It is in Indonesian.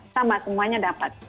sama semuanya dapat